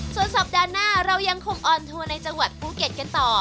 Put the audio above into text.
ส่วนสัปดาห์หน้าเรายังคงออนทัวร์ในจังหวัดภูเก็ตกันต่อ